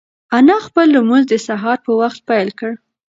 انا خپل لمونځ د سهار په وخت پیل کړ.